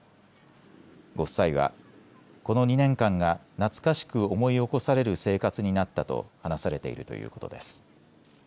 ご夫妻はこの２年間が懐かしく思い起こされる生活になったと話されているということです。